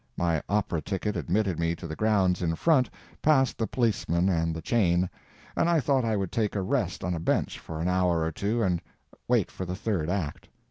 My opera ticket admitted me to the grounds in front, past the policeman and the chain, and I thought I would take a rest on a bench for an hour and two and wait for the third act.